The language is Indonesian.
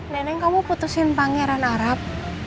neneng kamu putusin panggilan arab